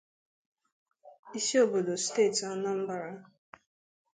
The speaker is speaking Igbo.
isi obodo steeti Anambra.